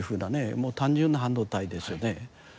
もう単純な半導体ですよね。